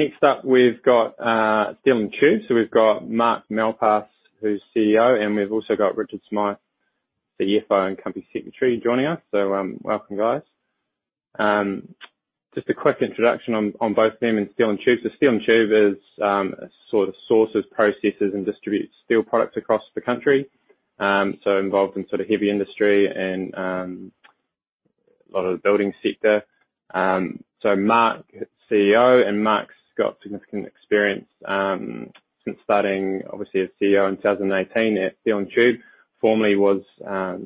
Next up we've got Steel & Tube. We've got Mark Malpass, who's CEO, and we've also got Richard Smyth, the CFO and Company Secretary joining us. Welcome guys. Just a quick introduction on both them and Steel & Tube. Steel & Tube is a sort of sources, processes, and distributes steel products across the country. Involved in sort of heavy industry and a lot of the building sector. Mark, CEO, and Mark's got significant experience since starting obviously as CEO in 2018 at Steel & Tube. Formerly was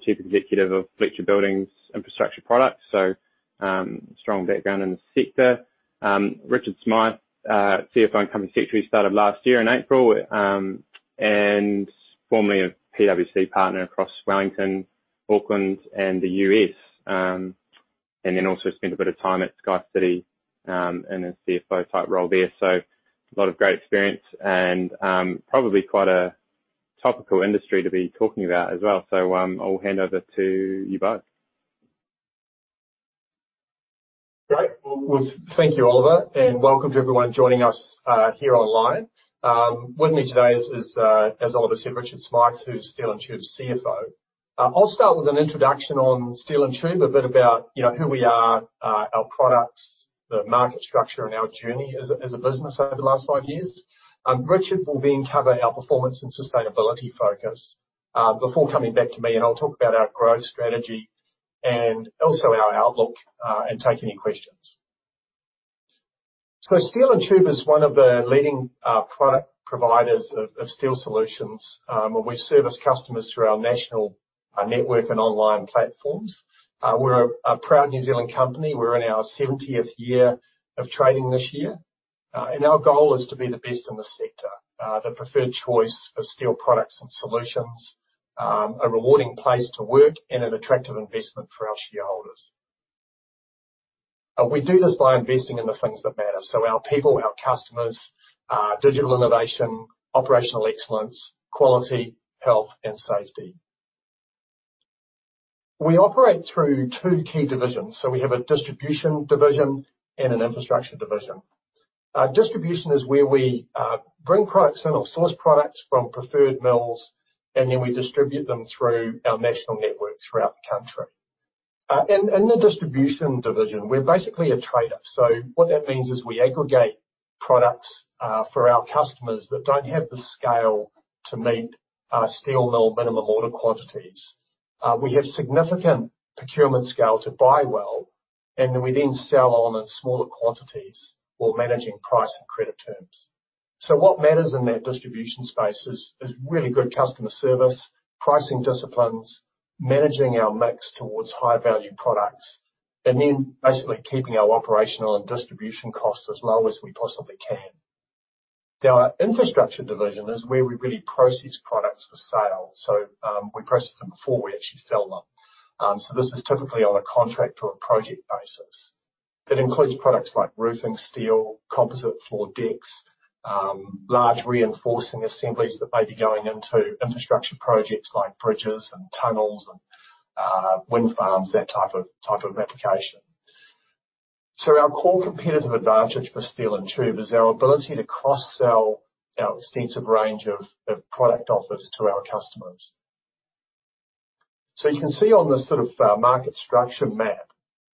Chief Executive of Fletcher Building's Infrastructure Products, strong background in the sector. Richard Smyth, CFO and Company Secretary, started last year in April, and formerly a PwC partner across Wellington, Auckland, and the U.S. Also spent a bit of time at SkyCity in a CFO type role there. A lot of great experience and probably quite a topical industry to be talking about as well. I'll hand over to you both. Great. Well, thank you, Oliver, and welcome to everyone joining us here online. With me today is, as Oliver said, Richard Smyth, who's Steel & Tube's CFO. I'll start with an introduction on Steel & Tube, a bit about, you know, who we are, our products, the market structure, and our journey as a business over the last five years. Richard will then cover our performance and sustainability focus, before coming back to me and I'll talk about our growth strategy and also our outlook, and take any questions. Steel & Tube is one of the leading product providers of steel solutions. And we service customers through our national network and online platforms. We're a proud New Zealand company. We're in our 70th year of trading this year. Our goal is to be the best in the sector. The preferred choice for steel products and solutions. A rewarding place to work and an attractive investment for our shareholders. We do this by investing in the things that matter, so our people, our customers, digital innovation, operational excellence, quality, health and safety. We operate through two key divisions, so we have a Distribution division and an Infrastructure division. Distribution is where we bring products in or source products from preferred mills, and then we distribute them through our national network throughout the country. In the Distribution division, we're basically a trader. What that means is we aggregate products for our customers that don't have the scale to meet our steel mill minimum order quantities. We have significant procurement scale to buy well, and we then sell on in smaller quantities while managing price and credit terms. What matters in that distribution space is really good customer service, pricing disciplines, managing our mix towards high value products, and then basically keeping our operational and distribution costs as low as we possibly can. Our Infrastructure division is where we really process products for sale. We process them before we actually sell them. This is typically on a contract or a project basis. That includes products like roofing steel, composite floor decks, large reinforcing assemblies that may be going into infrastructure projects like bridges and tunnels and wind farms, that type of application. Our core competitive advantage for Steel & Tube is our ability to cross-sell our extensive range of product offers to our customers. You can see on this sort of market structure map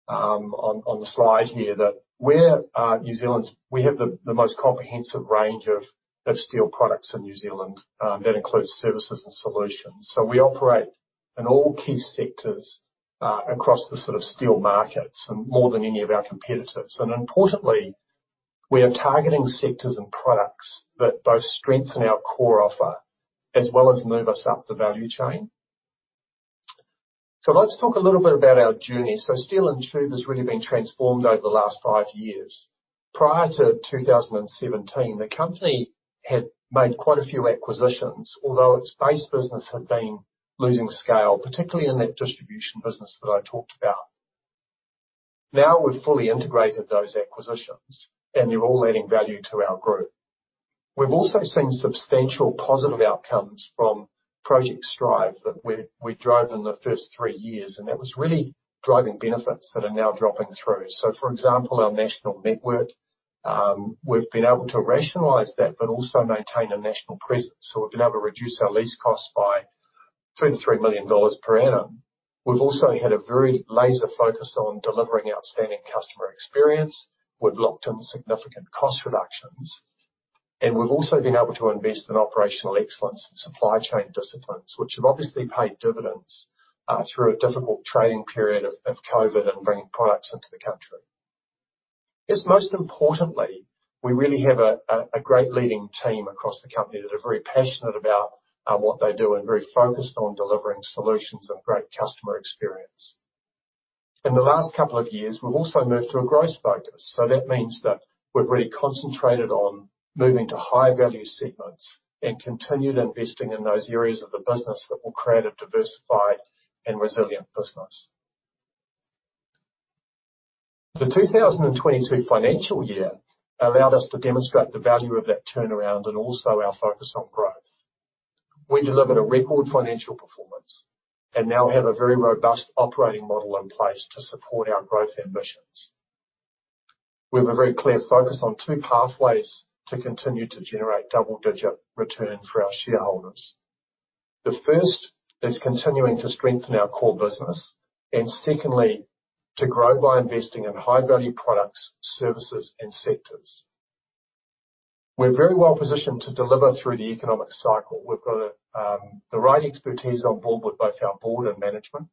on the slide here that we have the most comprehensive range of steel products in New Zealand that includes services and solutions. We operate in all key sectors across the sort of steel markets and more than any of our competitors. Importantly, we are targeting sectors and products that both strengthen our core offer as well as move us up the value chain. I'd like to talk a little bit about our journey. Steel & Tube has really been transformed over the last five years. Prior to 2017, the company had made quite a few acquisitions, although its base business had been losing scale, particularly in that distribution business that I talked about. Now we've fully integrated those acquisitions and they're all adding value to our group. We've also seen substantial positive outcomes from Project Strive that we drove in the first three years, and that was really driving benefits that are now dropping through. For example, our national network, we've been able to rationalize that but also maintain a national presence. We've been able to reduce our lease costs by 23 million dollars per annum. We've also had a very laser focus on delivering outstanding customer experience. We've locked in significant cost reductions, and we've also been able to invest in operational excellence and supply chain disciplines, which have obviously paid dividends through a difficult trading period of COVID and bringing products into the country. Yes, most importantly, we really have a great leading team across the company that are very passionate about what they do and very focused on delivering solutions and great customer experience. In the last couple of years, we've also moved to a growth focus, so that means that we've really concentrated on moving to high value segments and continued investing in those areas of the business that will create a diversified and resilient business. The 2022 financial year allowed us to demonstrate the value of that turnaround and also our focus on growth. We delivered a record financial performance and now have a very robust operating model in place to support our growth ambitions. We have a very clear focus on two pathways to continue to generate double-digit return for our shareholders. The first is continuing to strengthen our core business, and secondly, to grow by investing in high-value products, services, and sectors. We're very well-positioned to deliver through the economic cycle. We've got the right expertise on board with both our Board and Management.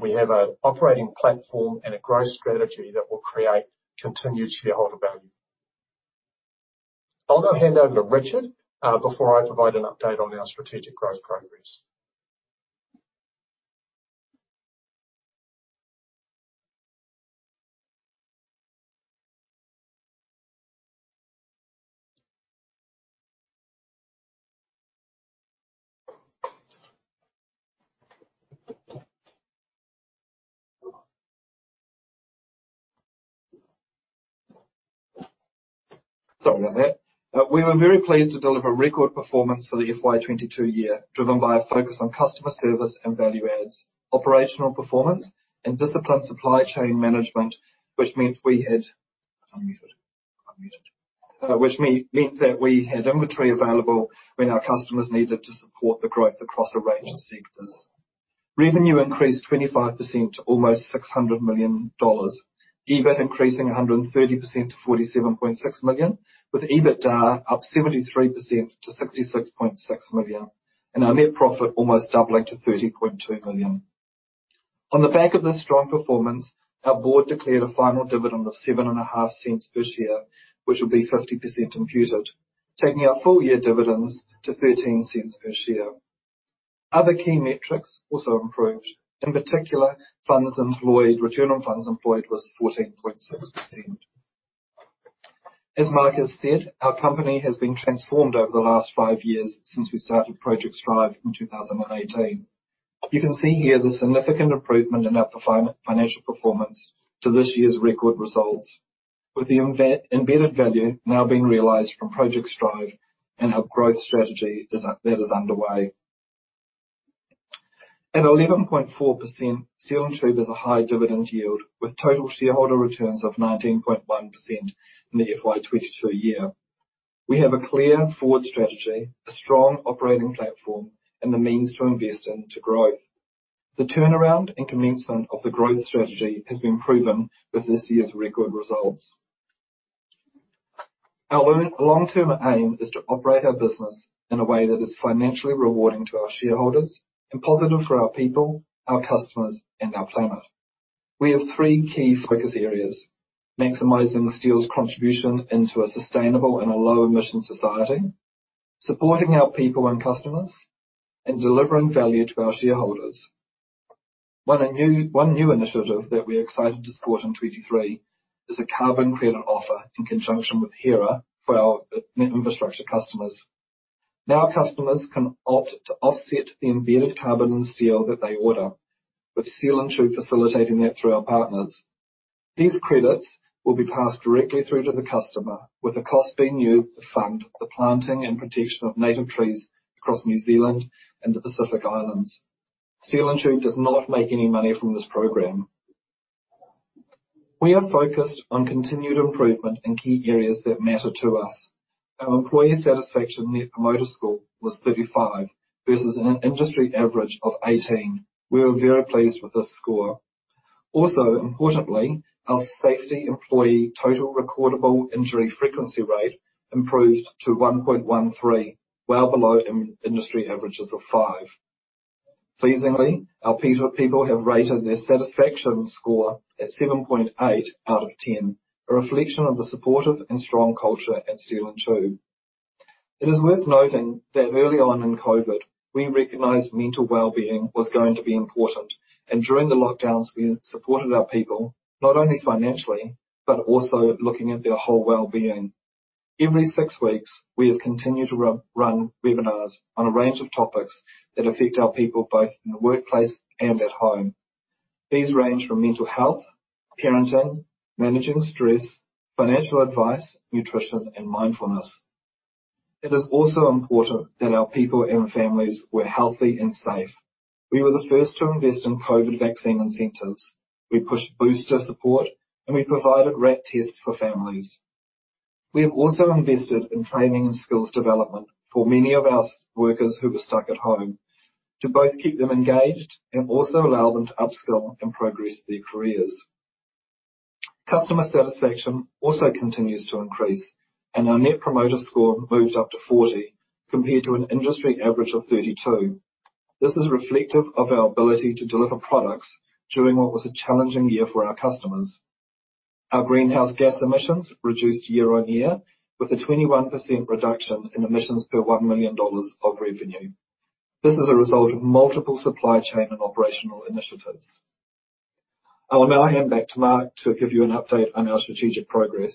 We have an operating platform and a growth strategy that will create continued shareholder value. I'll now hand over to Richard before I provide an update on our strategic growth progress. Sorry about that. We were very pleased to deliver record performance for the FY 2022 year, driven by a focus on customer service and value adds, operational performance, and disciplined supply chain management, which means that we had inventory available when our customers needed to support the growth across a range of sectors. Revenue increased 25% to almost 600 million dollars. EBIT increasing 130% to 47.6 million, with EBITDA up 73% to 66.6 million, and our net profit almost doubling to 30.2 million. On the back of this strong performance, our board declared a final dividend of 0.075 per share, which will be 50% imputed, taking our full year dividends to 0.13 per share. Other key metrics also improved. In particular, return on funds employed was 14.6%. As Mark has said, our company has been transformed over the last five years since we started Project Strive in 2018. You can see here the significant improvement in our financial performance to this year's record results. With the embedded value now being realized from Project Strive and our growth strategy that is underway. At 11.4%, Steel & Tube is a high dividend yield with total shareholder returns of 19.1% in the FY 2022 year. We have a clear forward strategy, a strong operating platform, and the means to invest into growth. The turnaround and commencement of the growth strategy has been proven with this year's record results. Our long-term aim is to operate our business in a way that is financially rewarding to our shareholders and positive for our people, our customers, and our planet. We have three key focus areas: maximizing steel's contribution into a sustainable and low emission society, supporting our people and customers, and delivering value to our shareholders. One new initiative that we're excited to support in 2023 is a carbon credit offer in conjunction with HERA for our infrastructure customers. Now, customers can opt to offset the embedded carbon in steel that they order, with Steel & Tube facilitating that through our partners. These credits will be passed directly through to the customer, with the cost being used to fund the planting and protection of native trees across New Zealand and the Pacific Islands. Steel & Tube does not make any money from this program. We are focused on continued improvement in key areas that matter to us. Our employee satisfaction Net Promoter Score was 35 versus an industry average of 18. We were very pleased with this score. Also, importantly, our Safety Employee Total Recordable Injury Frequency Rate improved to 1.13, well below industry averages of 5. Pleasingly, our people have rated their satisfaction score at 7.8 out of 10, a reflection of the supportive and strong culture at Steel & Tube. It is worth noting that early on in COVID, we recognized mental well-being was going to be important, and during the lockdowns we supported our people, not only financially, but also looking at their whole well-being. Every six weeks, we have continued to run webinars on a range of topics that affect our people, both in the workplace and at home. These range from mental health, parenting, managing stress, financial advice, nutrition, and mindfulness. It is also important that our people and families were healthy and safe. We were the first to invest in COVID vaccine incentives. We pushed booster support, and we provided RAT tests for families. We have also invested in training and skills development for many of our workers who were stuck at home to both keep them engaged and also allow them to upskill and progress their careers. Customer satisfaction also continues to increase, and our Net Promoter Score moved up to 40 compared to an industry average of 32. This is reflective of our ability to deliver products during what was a challenging year for our customers. Our Greenhouse Gas emissions reduced year-over-year with a 21% reduction in emissions per 1 million dollars of revenue. This is a result of multiple supply chain and operational initiatives. I will now hand back to Mark to give you an update on our strategic progress.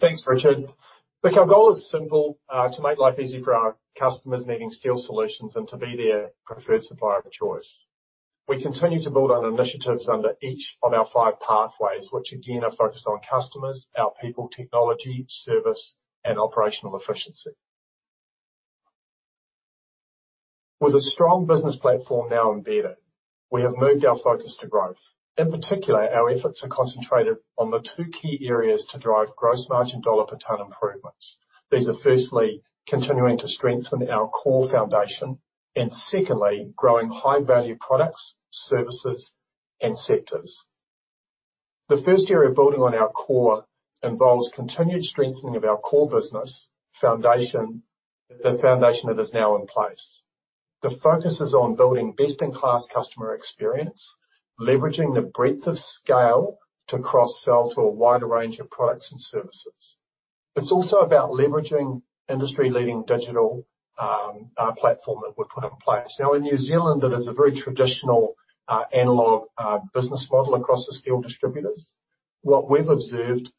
Thanks, Richard. Look, our goal is simple: to make life easy for our customers needing steel solutions and to be their preferred supplier of choice. We continue to build on initiatives under each of our five pathways, which again are focused on customers, our people, technology, service, and operational efficiency. With a strong business platform now embedded, we have moved our focus to growth. In particular, our efforts are concentrated on the two key areas to drive gross margin dollar per tonne improvements. These are firstly, continuing to strengthen our core foundation and secondly, growing high-value products, services, and sectors. The first area of building on our core involves continued strengthening of our core business foundation, the foundation that is now in place. The focus is on building best-in-class customer experience, leveraging the breadth of scale to cross-sell to a wider range of products and services. It's also about leveraging industry-leading digital platform that we've put in place. Now, in New Zealand, it is a very traditional analog business model across the steel distributors. What we've observed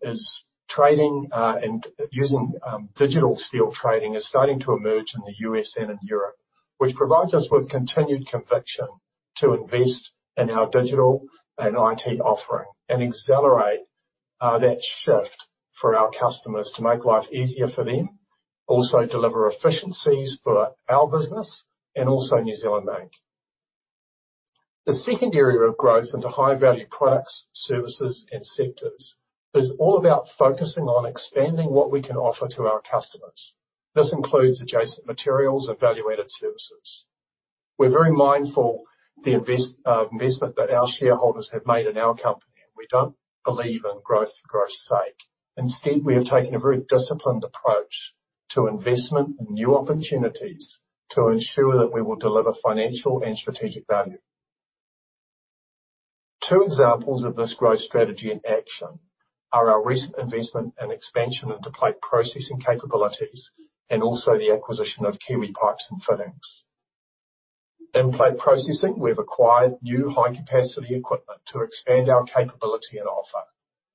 is trading and using digital steel trading is starting to emerge in the U.S. and in Europe, which provides us with continued conviction to invest in our digital and IT offering and accelerate that shift for our customers to make life easier for them, also deliver efficiencies for our business and also New Zealand Inc. The second area of growth into high-value products, services, and sectors is all about focusing on expanding what we can offer to our customers. This includes adjacent materials and value-added services. We're very mindful the investment that our shareholders have made in our company, and we don't believe in growth for growth's sake. Instead, we have taken a very disciplined approach to investment and new opportunities to ensure that we will deliver financial and strategic value. Two examples of this growth strategy in action are our recent investment and expansion into plate processing capabilities and also the acquisition of Kiwi Pipe & Fittings. In plate processing, we've acquired new high-capacity equipment to expand our capability and offer.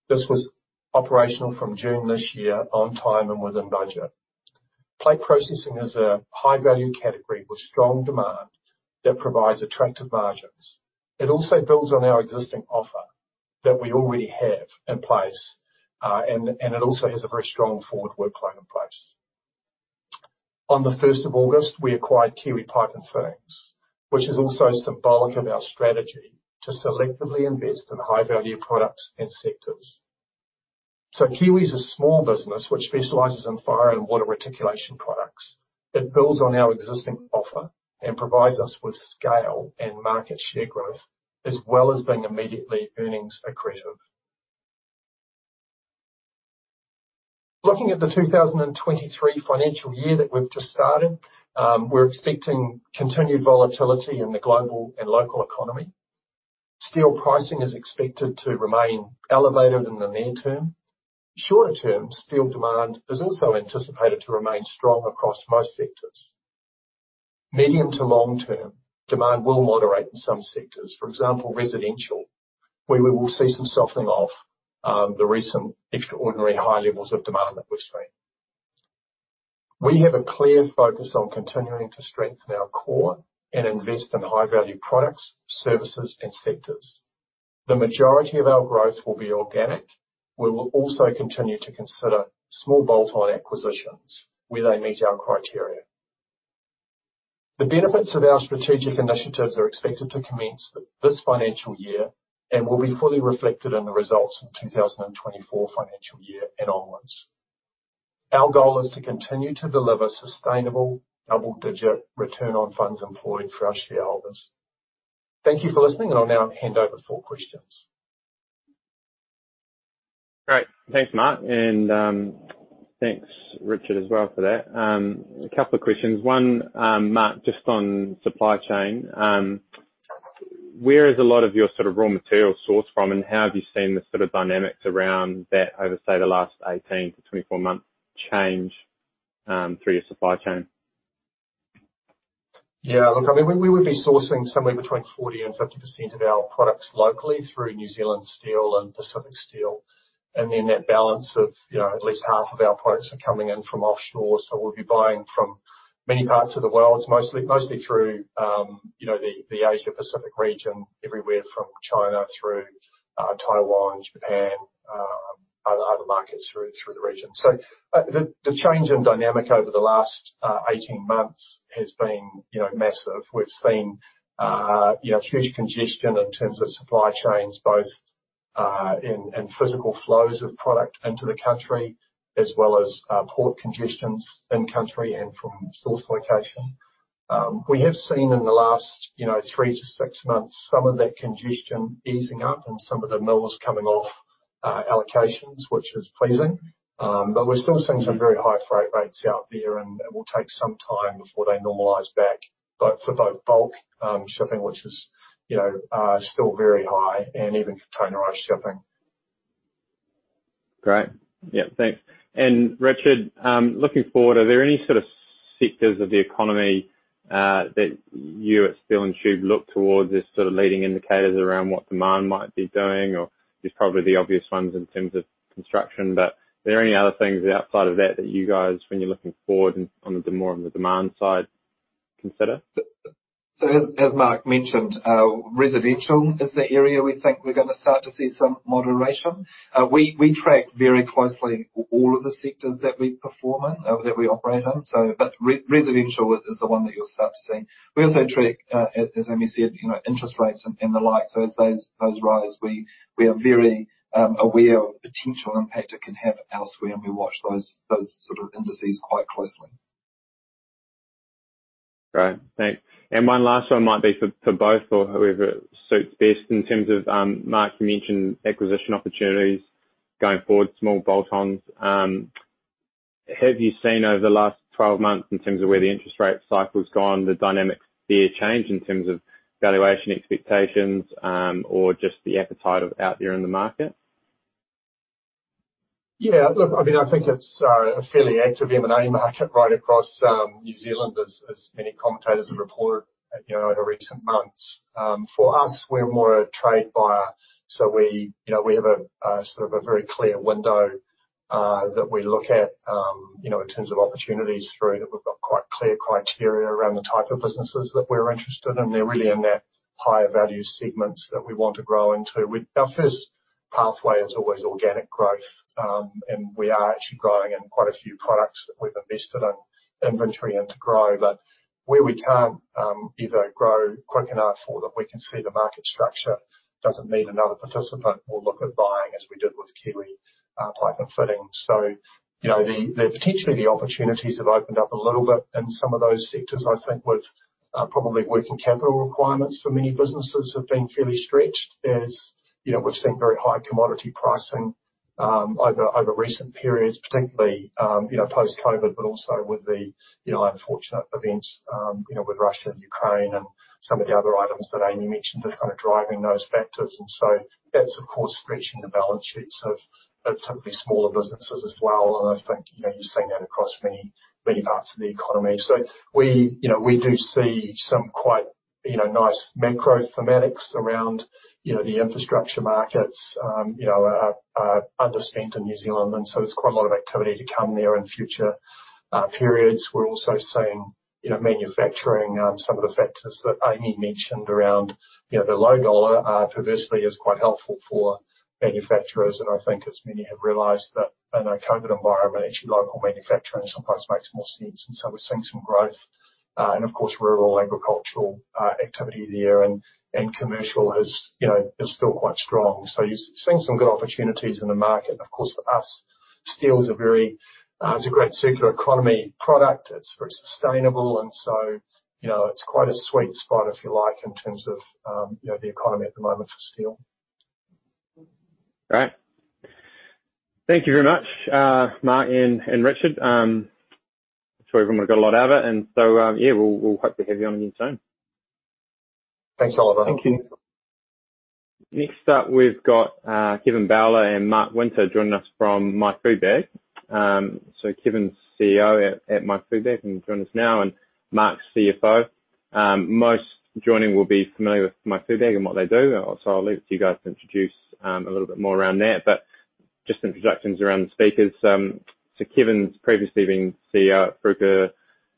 This was operational from June this year on time and within budget. Plate processing is a high-value category with strong demand that provides attractive margins. It also builds on our existing offer that we already have in place, and it also has a very strong forward workload in place. On the first of August, we acquired Kiwi Pipe & Fittings, which is also symbolic of our strategy to selectively invest in high-value products and sectors. Kiwi is a small business which specializes in fire and water reticulation products. It builds on our existing offer and provides us with scale and market share growth, as well as being immediately earnings accretive. Looking at the 2023 financial year that we've just started, we're expecting continued volatility in the global and local economy. Steel pricing is expected to remain elevated in the near term. Shorter-term, steel demand is also anticipated to remain strong across most sectors. Medium-to-long term, demand will moderate in some sectors. For example, residential, where we will see some softening of the recent extraordinary high levels of demand that we've seen. We have a clear focus on continuing to strengthen our core and invest in high-value products, services, and sectors. The majority of our growth will be organic. We will also continue to consider small bolt-on acquisitions where they meet our criteria. The benefits of our strategic initiatives are expected to commence this financial year and will be fully reflected in the results in 2024 financial year and onwards. Our goal is to continue to deliver sustainable double-digit return on funds employed for our shareholders. Thank you for listening, and I'll now hand over for questions. Great. Thanks, Mark. Thanks, Richard, as well for that. A couple of questions. One, Mark, just on supply chain, where is a lot of your sort of raw material sourced from, and how have you seen the sort of dynamics around that over, say, the last 18-24 months change, through your supply chain? Yeah. Look, I mean, we would be sourcing somewhere between 40%-50% of our products locally through New Zealand Steel and Pacific Steel. Then that balance of, you know, at least half of our products are coming in from offshore. We'll be buying from many parts of the world, mostly through, you know, the Asia Pacific region, everywhere from China through Taiwan, Japan, other markets through the region. The change in dynamic over the last 18 months has been, you know, massive. We've seen, you know, huge congestion in terms of supply chains, both in physical flows of product into the country, as well as port congestions in country and from source location. We have seen in the last, you know, three to six months, some of that congestion easing up and some of the mills coming off allocations, which is pleasing. We're still seeing some very high freight rates out there, and it will take some time before they normalize back for both bulk shipping, which is, you know, still very high and even containerized shipping. Great. Yeah, thanks. Richard, looking forward, are there any sort of sectors of the economy that you at Steel & Tube look towards as sort of leading indicators around what demand might be doing or there's probably the obvious ones in terms of construction, but are there any other things outside of that that you guys when you're looking forward and more on the demand side consider? As Mark mentioned, residential is the area we think we're gonna start to see some moderation. We track very closely all of the sectors that we perform in, that we operate in. But residential is the one that you'll start to see. We also track, as Amy said, you know, interest rates and the like. As those rise, we are very aware of the potential impact it can have elsewhere, and we watch those sort of indices quite closely. Great. Thanks. One last one might be for both or whoever it suits best. In terms of Mark, you mentioned acquisition opportunities going forward, small bolt-ons. Have you seen over the last 12 months in terms of where the interest rate cycle's gone, the dynamics there change in terms of valuation expectations, or just the appetite out there in the market? Yeah, look, I mean, I think it's a fairly active M&A market right across New Zealand as many commentators have reported, you know, in recent months. For us, we're more a trade buyer, so we, you know, we have a sort of a very clear window that we look at, you know, in terms of opportunities through that we've got quite clear criteria around the type of businesses that we're interested in. They're really in that higher value segments that we want to grow into. Our first pathway is always organic growth, and we are actually growing in quite a few products that we've invested in inventory and to grow. Where we can't either grow quick enough or that we can see the market structure doesn't need another participant, we'll look at buying as we did with Kiwi Pipe & Fittings. You know, the potentially the opportunities have opened up a little bit in some of those sectors. I think with probably working capital requirements for many businesses have been fairly stretched as, you know, we've seen very high commodity pricing over recent periods, particularly, you know, post-COVID, but also with the, you know, unfortunate events, you know, with Russia and Ukraine and some of the other items that Amy mentioned are kind of driving those factors. That's of course stretching the balance sheets of typically smaller businesses as well. I think, you know, you're seeing that across many parts of the economy. We do see some quite nice macro thematics around the infrastructure markets, underspent in New Zealand, and so there's quite a lot of activity to come there in future periods. We're also seeing manufacturing, some of the factors that Amy mentioned around the low dollar perversely is quite helpful for manufacturers. I think as many have realized that in a COVID environment, actually local manufacturing sometimes makes more sense. We're seeing some growth. Of course, rural agricultural activity there and commercial is still quite strong. You're seeing some good opportunities in the market. Of course, for us, steel is a great circular economy product. It's very sustainable and so, you know, it's quite a sweet spot if you like in terms of, you know, the economy at the moment for steel. Great. Thank you very much, Mark and Richard. It's all good. We've got a lot out of it and so, yeah, we'll hope to have you on again soon. Thanks, Oliver. Thank you. Next up we've got Kevin Bowler and Mark Winter joining us from My Food Bag. Kevin's CEO at My Food Bag and joining us now, and Mark's CFO. Most of you will be familiar with My Food Bag and what they do, so I'll leave it to you guys to introduce a little bit more around that. Just introductions around the speakers. Kevin's previously been CEO at Frucor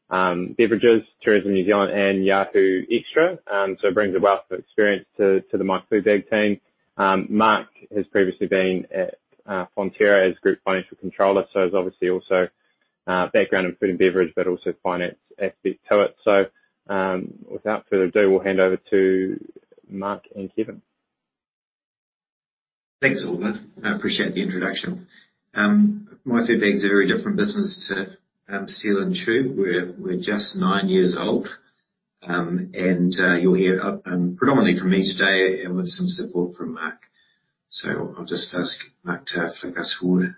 Beverages, Tourism New Zealand and Yahoo! Xtra, so brings a wealth of experience to the My Food Bag team. Mark has previously been at Fonterra as Group Financial Controller, so is obviously also background in food and beverage, but also finance aspect to it. Without further ado, we'll hand over to Mark and Kevin. Thanks, Oliver. I appreciate the introduction. My Food Bag is a very different business to Steel & Tube. We're just nine years old. You'll hear predominantly from me today and with some support from Mark. I'll just ask Mark to flick us forward.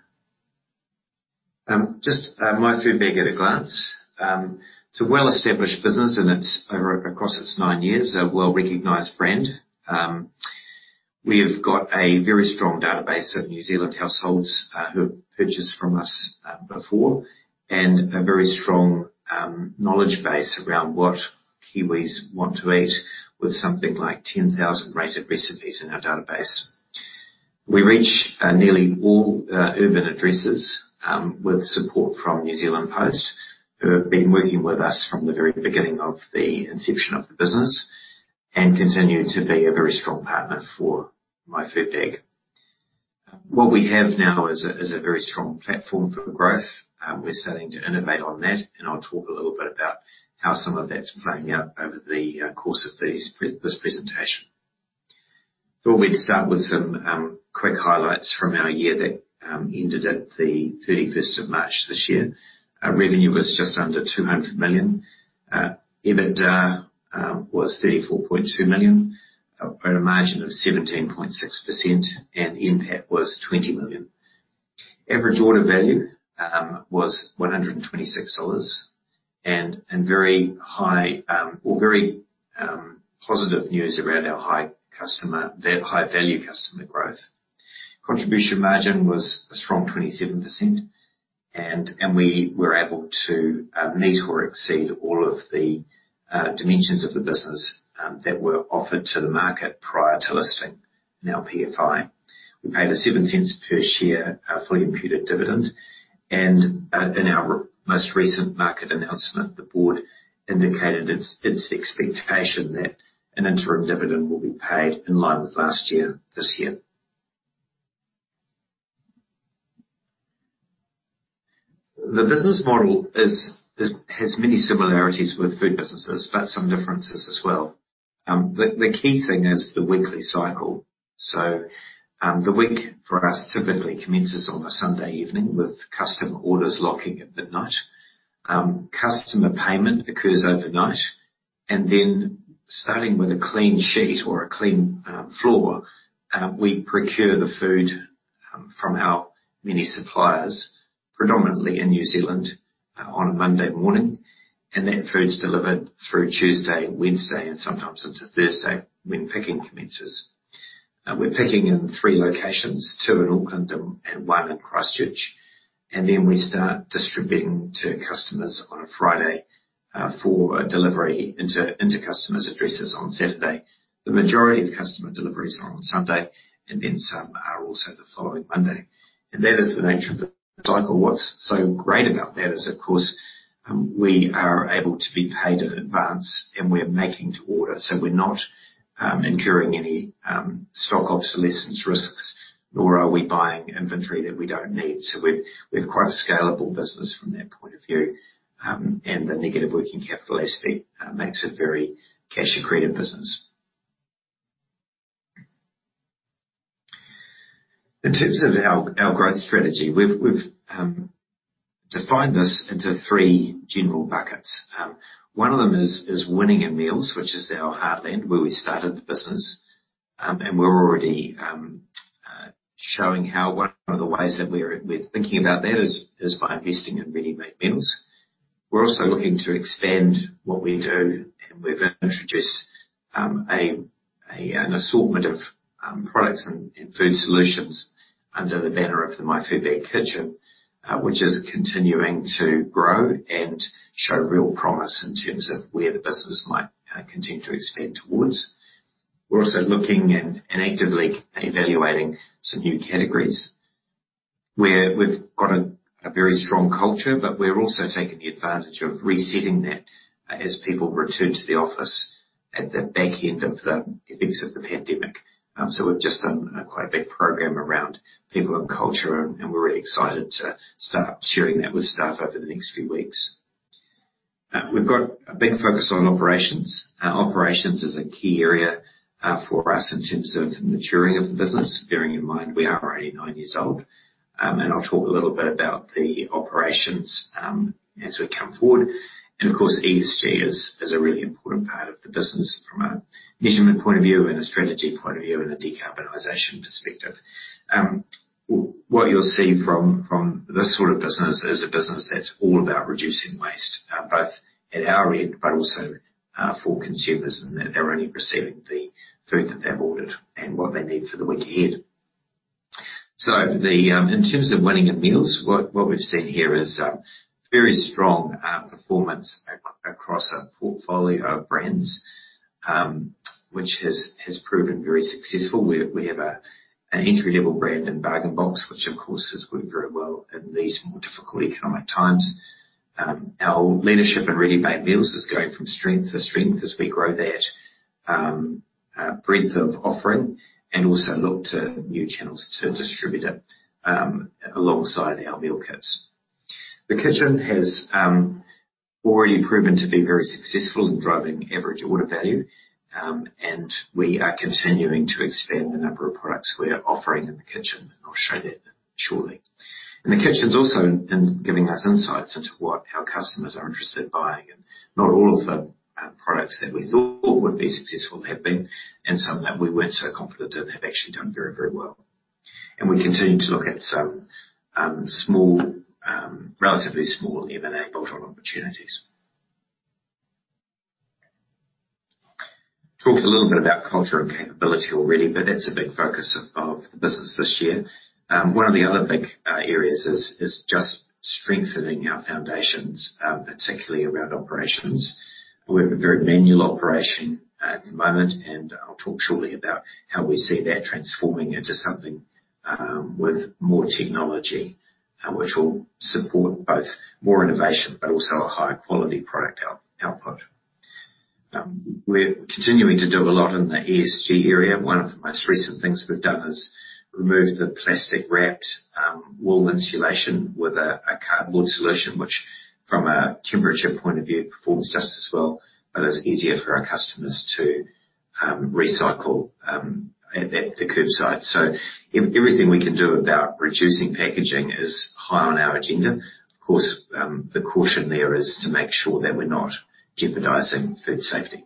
My Food Bag at a glance. It's a well-established business, and it's over across its nine years, a well-recognized brand. We have got a very strong database of New Zealand households who have purchased from us before, and a very strong knowledge base around what Kiwis want to eat with something like 10,000 rated recipes in our database. We reach nearly all urban addresses with support from New Zealand Post, who have been working with us from the very beginning of the inception of the business and continue to be a very strong partner for My Food Bag. What we have now is a very strong platform for growth. We're starting to innovate on that, and I'll talk a little bit about how some of that's playing out over the course of this presentation. Thought we'd start with some quick highlights from our year that ended at the thirty-first of March this year. Our revenue was just under 200 million. EBITDA was 34.2 million at a margin of 17.6%, and NPAT was 20 million. Average order value was 126 dollars and very high or very positive news around our high-value customer growth. Contribution margin was a strong 27%, and we were able to meet or exceed all of the dimensions of the business that were offered to the market prior to listing in our PFI. We paid 0.07 per share fully imputed dividend. In our most recent market announcement, the board indicated its expectation that an interim dividend will be paid in line with last year, this year. The business model has many similarities with food businesses, but some differences as well. The key thing is the weekly cycle. The week for us typically commences on a Sunday evening with customer orders locking at midnight. Customer payment occurs overnight, and then starting with a clean sheet or a clean floor, we procure the food from our many suppliers, predominantly in New Zealand, on a Monday morning. That food's delivered through Tuesday, Wednesday, and sometimes into Thursday when picking commences. We're picking in three locations, two in Auckland and one in Christchurch. We start distributing to customers on a Friday, for a delivery into customers' addresses on Saturday. The majority of customer deliveries are on Sunday, and then some are also the following Monday. That is the nature of the cycle. What's so great about that is, of course, we are able to be paid in advance, and we're making to order. We're not incurring any stock obsolescence risks, nor are we buying inventory that we don't need. We've quite a scalable business from that point of view. The negative working capital aspect makes a very cash accretive business. In terms of our growth strategy, we've defined this into three general buckets. One of them is winning in meals, which is our heartland, where we started the business. We're already showing how one of the ways that we're thinking about that is by investing in ready-made meals. We're also looking to expand what we do, and we've introduced an assortment of products and food solutions under the banner of the My Food Bag Kitchen, which is continuing to grow and show real promise in terms of where the business might continue to expand towards. We're also looking and actively evaluating some new categories. We've got a very strong culture, but we're also taking advantage of resetting that as people return to the office at the back end of the effects of the pandemic. We've just done quite a big program around people and culture, and we're really excited to start sharing that with staff over the next few weeks. We've got a big focus on operations. Operations is a key area for us in terms of the maturing of the business, bearing in mind we are only nine years old. I'll talk a little bit about the operations as we come forward. Of course, ESG is a really important part of the business from a measurement point of view and a strategy point of view and a decarbonization perspective. What you'll see from this sort of business is a business that's all about reducing waste, both at our end, but also, for consumers in that they're only receiving the food that they've ordered and what they need for the week ahead. In terms of winning in meals, what we've seen here is very strong performance across a portfolio of brands, which has proven very successful. We have an entry-level brand in Bargain Box, which of course has worked very well in these more difficult economic times. Our leadership in ready-made meals is going from strength to strength as we grow that breadth of offering and also look to new channels to distribute it alongside our meal kits. The Kitchen has already proven to be very successful in driving average order value, and we are continuing to expand the number of products we are offering in the Kitchen. I'll show that shortly. The Kitchen's also giving us insights into what our customers are interested in buying, and not all of the products that we thought would be successful have been. Some that we weren't so confident in have actually done very, very well. We continue to look at some small, relatively small M&A bolt-on opportunities. Talked a little bit about culture and capability already, but that's a big focus of the business this year. One of the other big areas is just strengthening our foundations, particularly around operations. We have a very manual operation at the moment, and I'll talk shortly about how we see that transforming into something with more technology, which will support both more innovation but also a higher quality product output. We're continuing to do a lot in the ESG area. One of the most recent things we've done is remove the plastic-wrapped wool insulation with a cardboard solution, which from a temperature point of view, performs just as well, but is easier for our customers to recycle at the curbside. Everything we can do about reducing packaging is high on our agenda. Of course, the caution there is to make sure that we're not jeopardizing food safety.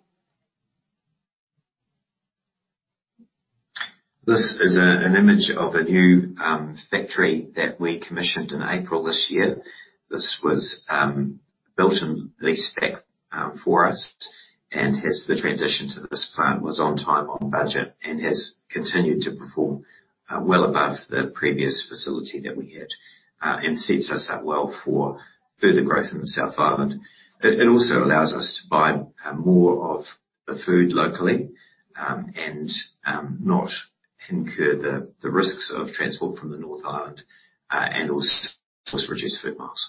This is an image of a new factory that we commissioned in April this year. This was built in lease back for us and the transition to this plant was on time, on budget, and has continued to perform well above the previous facility that we had and sets us up well for further growth in the South Island. It also allows us to buy more of the food locally and not incur the risks of transport from the North Island and also reduce food miles.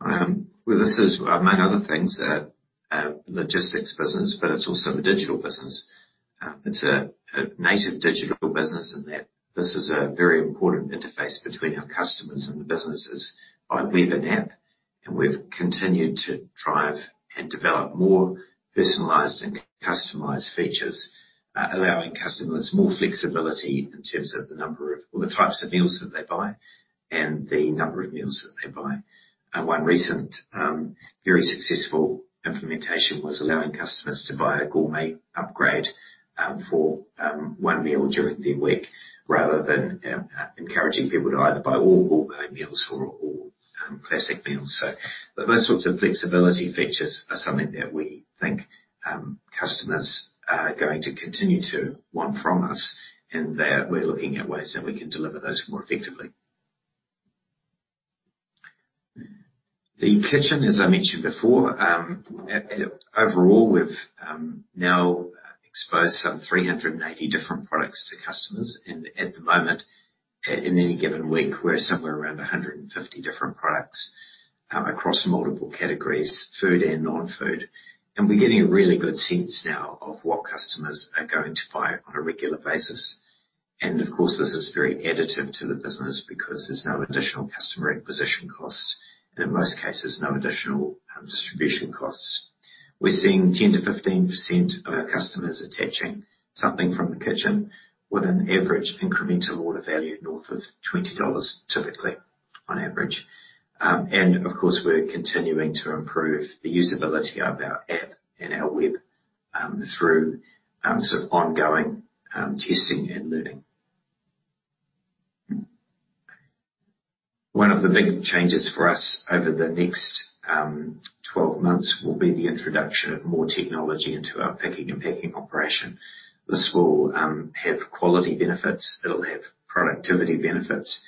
Well, this is among other things a logistics business, but it's also a digital business. It's a native digital business in that this is a very important interface between our customers and the businesses by web and app. We've continued to drive and develop more personalized and customized features, allowing customers more flexibility in terms of the number of or the types of meals that they buy and the number of meals that they buy. One recent very successful implementation was allowing customers to buy a gourmet upgrade for one meal during their week, rather than encouraging people to either buy all gourmet meals or all classic meals. Those sorts of flexibility features are something that we think customers are going to continue to want from us, and that we're looking at ways that we can deliver those more effectively. The Kitchen, as I mentioned before, overall we've now exposed some 380 different products to customers. At the moment, in any given week, we're somewhere around 150 different products across multiple categories, food and non-food. We're getting a really good sense now of what customers are going to buy on a regular basis. Of course, this is very additive to the business because there's no additional customer acquisition costs and in most cases no additional distribution costs. We're seeing 10%-15% of our customers attaching something from the Kitchen with an average incremental order value north of 20 dollars typically on average. Of course, we're continuing to improve the usability of our app and our web through sort of ongoing testing and learning. One of the big changes for us over the next 12 months will be the introduction of more technology into our picking and packing operation. This will have quality benefits, it'll have productivity benefits,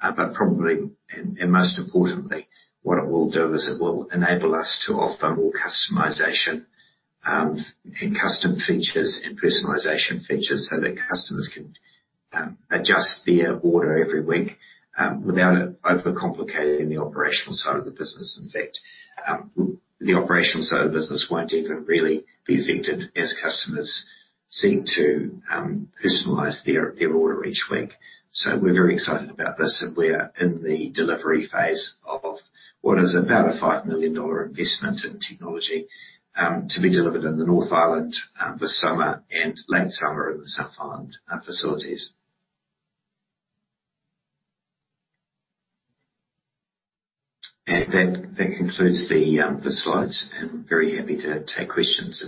but probably, and most importantly, what it will do is it will enable us to offer more customization, and custom features and personalization features so that customers can adjust their order every week, without it overcomplicating the operational side of the business. In fact, the operational side of the business won't even really be affected as customers seek to personalize their order each week. We're very excited about this and we're in the delivery phase of what is about a 5 million dollar investment in technology, to be delivered in the North Island, this summer and late summer in the South Island facilities. That concludes the slides, and very happy to take questions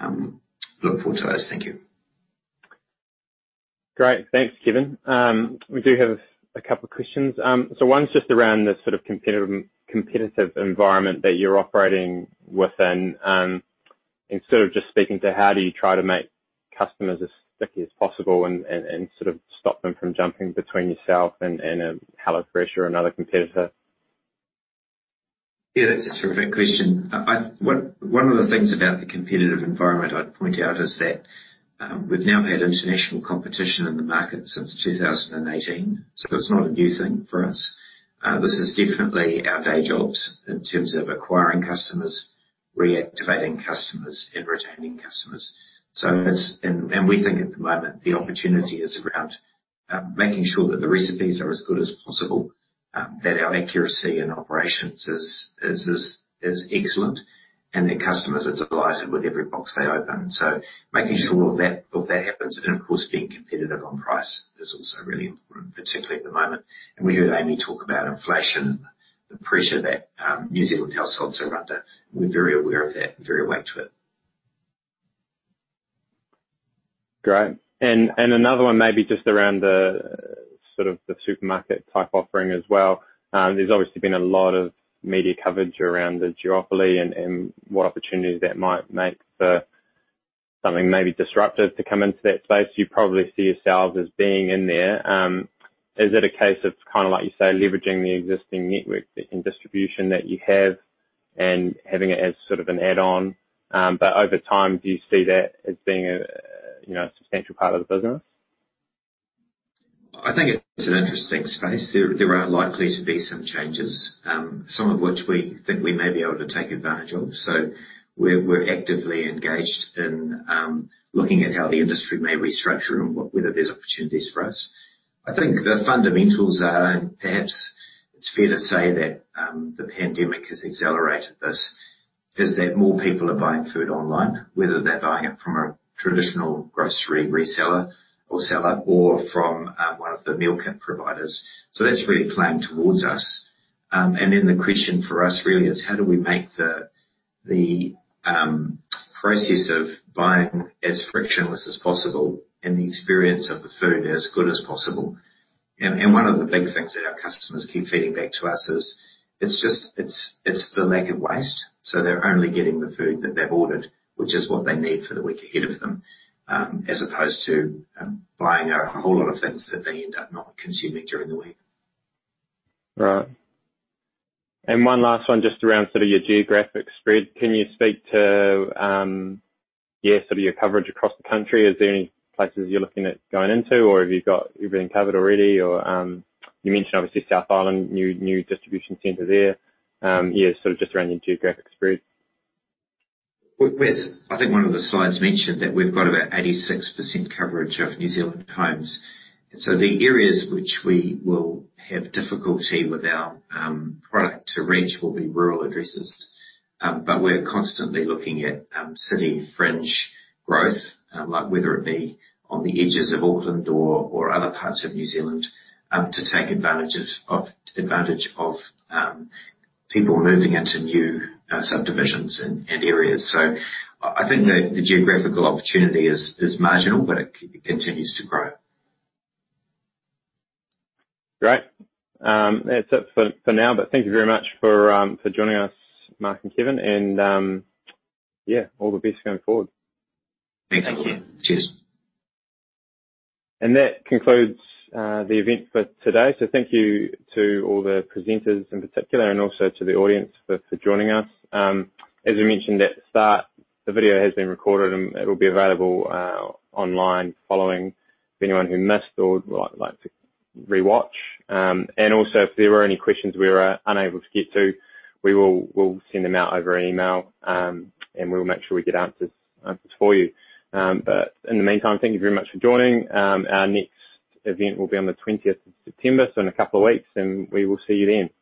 and look forward to those. Thank you. Great. Thanks, Kevin. We do have a couple questions. One's just around the sort of competitive environment that you're operating within. In sort of just speaking to how do you try to make customers as sticky as possible and sort of stop them from jumping between yourself and a HelloFresh or another competitor? Yeah, that's a terrific question. One of the things about the competitive environment I'd point out is that we've now had international competition in the market since 2018, so it's not a new thing for us. This is definitely our day jobs in terms of acquiring customers, reactivating customers and retaining customers. We think at the moment the opportunity is around making sure that the recipes are as good as possible, that our accuracy and operations is excellent and that customers are delighted with every box they open. Making sure all that happens and of course being competitive on price is also really important, particularly at the moment. We heard Amy talk about inflation, the pressure that New Zealand households are under. We're very aware of that and very awake to it. Great. Another one maybe just around the sort of supermarket type offering as well. There's obviously been a lot of media coverage around the duopoly and what opportunities that might make for something maybe disruptive to come into that space. You probably see yourselves as being in there. Is it a case of kind of like you say, leveraging the existing network and distribution that you have and having it as sort of an add-on? Over time, do you see that as being a you know, a substantial part of the business? I think it's an interesting space. There are likely to be some changes, some of which we think we may be able to take advantage of. We're actively engaged in looking at how the industry may restructure and whether there's opportunities for us. I think the fundamentals are, and perhaps it's fair to say that, the pandemic has accelerated this, that more people are buying food online, whether they're buying it from a traditional grocery reseller or seller or from one of the meal kit providers. That's really playing towards us. The question for us really is how do we make the process of buying as frictionless as possible and the experience of the food as good as possible. One of the big things that our customers keep feeding back to us is it's just it's the lack of waste. They're only getting the food that they've ordered, which is what they need for the week ahead of them, as opposed to buying a whole lot of things that they end up not consuming during the week. Right. One last one just around sort of your geographic spread. Can you speak to, yeah, sort of your coverage across the country? Is there any places you're looking at going into or have you got everything covered already or, you mentioned obviously South Island, new distribution center there. Yeah, sort of just around your geographic spread. We're I think one of the slides mentioned that we've got about 86% coverage of New Zealand homes. The areas which we will have difficulty with our product to reach will be rural addresses. But we're constantly looking at city fringe growth, like whether it be on the edges of Auckland or other parts of New Zealand, to take advantage of people moving into new subdivisions and areas. I think the geographical opportunity is marginal, but it continues to grow. Great. That's it for now, but thank you very much for joining us, Mark and Kevin, and yeah, all the best going forward. Thanks a lot. Thank you. Cheers. That concludes the event for today. Thank you to all the presenters in particular, and also to the audience for joining us. As we mentioned at the start, the video has been recorded and it will be available online following for anyone who missed or would like to re-watch. Also if there were any questions we were unable to get to, we'll send them out over email, and we'll make sure we get answers for you. In the meantime, thank you very much for joining. Our next event will be on the 20th of September, so in a couple of weeks, and we will see you then. Thanks.